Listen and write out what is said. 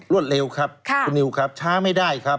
เร็วครับคุณนิวครับช้าไม่ได้ครับ